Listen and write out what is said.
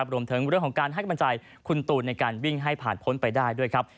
รวมถึงเรื่องของการให้กำลังใจคุณตูนในการวิ่งให้ผ่านพ้นไปได้ด้วยครับ